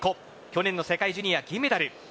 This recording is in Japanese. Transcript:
去年の世界ジュニア銀メダル。